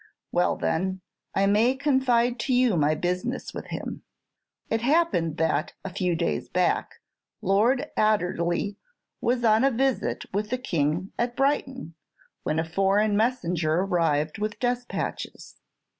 "Well, then, I may confide to you my business with him. It happened that, a few days back, Lord Adderley was on a visit with the King at Brighton, when a foreign messenger arrived with despatches.